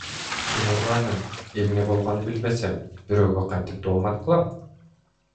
Ким урганын, эмне болгонун билбесем, бирөөгө кантип доомат кылам?